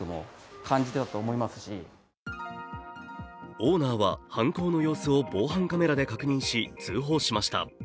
オーナーは犯行の様子を防犯カメラで確認し通報しました。